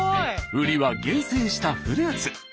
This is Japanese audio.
売りは厳選したフルーツ。